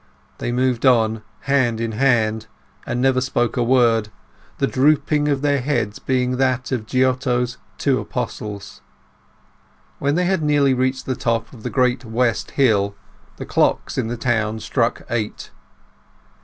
They moved on hand in hand, and never spoke a word, the drooping of their heads being that of Giotto's "Two Apostles". When they had nearly reached the top of the great West Hill the clocks in the town struck eight.